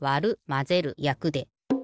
「まぜる」「やく」で。